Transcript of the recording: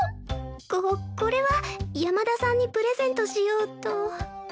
ここれは山田さんにプレゼントしようと。